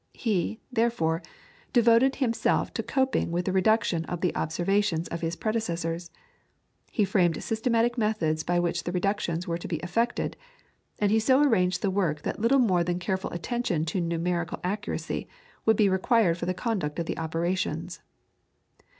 He, therefore, devoted himself to coping with the reduction of the observations of his predecessors. He framed systematic methods by which the reductions were to be effected, and he so arranged the work that little more than careful attention to numerical accuracy would be required for the conduct of the operations.